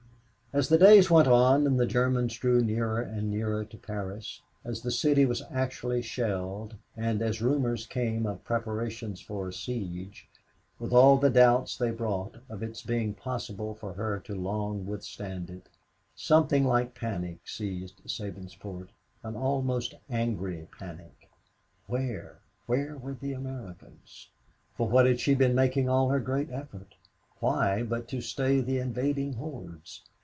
As the days went on and the Germans drew nearer and nearer to Paris, as the city was actually shelled, and as rumors came of preparations for a siege, with all the doubts they brought of its being possible for her to long withstand it, something like panic seized Sabinsport an almost angry panic. Where, where were the Americans? For what had she been making all her great effort? Why, but to stay the invading hordes?